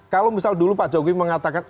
kalau misal dulu pak jokowi mengatakan